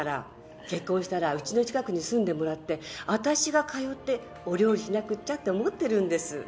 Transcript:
結婚したらうちの近くに住んでもらって私が通ってお料理しなくっちゃって思ってるんです。